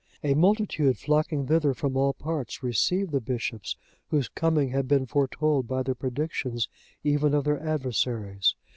A multitude flocking thither from all parts, received the bishops, whose coming had been foretold by the predictions even of their adversaries.